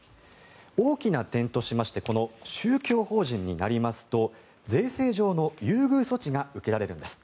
大きな点としまして宗教法人になりますと税制上の優遇措置が受けられるんです。